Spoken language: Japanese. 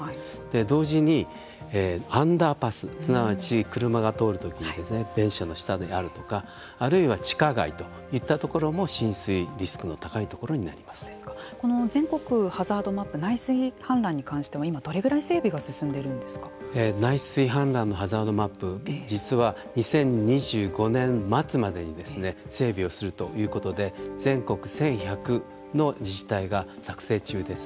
同時に、アンダーパスすなわち車が通るときに電車の下であるとかあるいは地下街といったところも浸水リスクの高いところに全国ハザードマップ内水氾濫に関しては今どれぐらい整備が内水氾濫のハザードマップ実は２０２５年末までに整備をするということで全国１１００の自治体が作成中です。